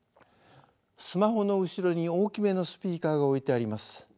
スマホの後ろに大きめのスピーカーが置いてあります。